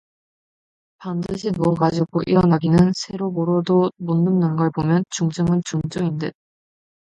반듯이 누워 가지고 일어나기는 새로 모로도 못 눕는 걸 보면 중증은 중증인 듯.